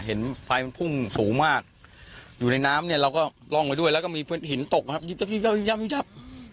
เห็นไฟมันพุ่งสูงมากอยู่ในน้ำเนี่ยเราก็ล่องไปด้วยแล้วก็มีหินตกนะครับย้ำ